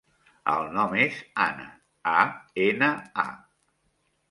El nom és Ana: a, ena, a.